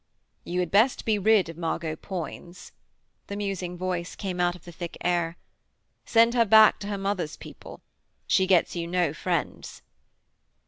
'You had best be rid of Margot Poins,' the musing voice came out of the thick air. 'Send her back to her mother's people: she gets you no friends.'